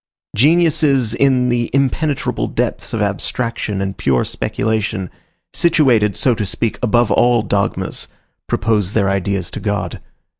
Geniuses in the impenetrable depths of abstraction and pure speculation, situated, so to speak, above all dogmas, propose their ideas to God.